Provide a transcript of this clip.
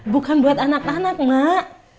bukan buat anak anak mak